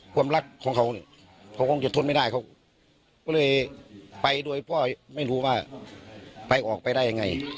ความรักของเขาเนี่ยเขาคงจะทนไม่ได้เขาก็เลยไปโดยพ่อไม่รู้ว่าไปออกไปได้ยังไง